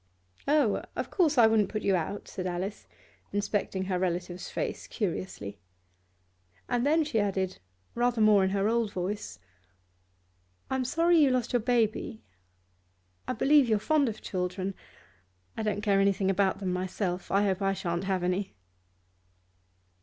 'Oh, of course I wouldn't put you out,' said Alice, inspecting her relative's face curiously. And she added, rather more in her old voice, 'I'm sorry you lost your baby. I believe you're fond of children? I don't care anything about them myself; I hope I shan't have any.